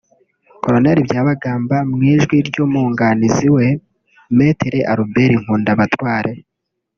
Col Byabagamba mu ijwi ry’umunganizi we Me Albert Nkundabatware